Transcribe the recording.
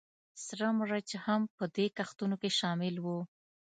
سره مرچ هم په دې کښتونو کې شامل وو